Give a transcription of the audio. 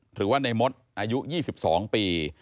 หรือว่าในมดอายุ๒๒ปี